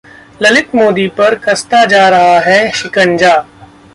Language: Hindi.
ललित मोदी पर कसता जा रहा है शिकंजा